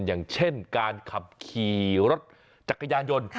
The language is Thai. อย่างเช่นการขับขี่รถจักรยานยนต์